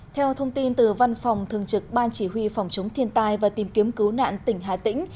theo thông tin từ văn phòng thường trực ban chỉ huy phòng chống thiên tai và tìm kiếm cứu nạn tỉnh hà tĩnh